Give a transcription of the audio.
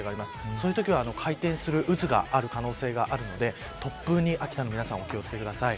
そういうときは、回転する渦がある可能性があるので突風に秋田皆さんお気を付けください。